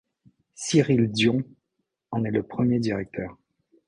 Cyril Dion en est le premier directeur.